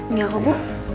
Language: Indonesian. nggak apa apa bu